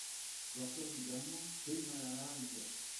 Gortozit amañ ken na lavarin deoc'h.